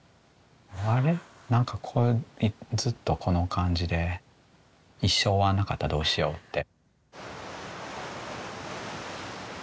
あれ何かこれずっとこの感じで一生終わんなかったらどうしよって。